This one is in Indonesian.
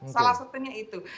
salah satunya itu